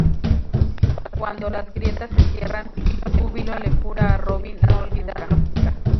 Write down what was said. Cuando las grietas se cierran, Júbilo le jura a Robin no olvidarlo nunca.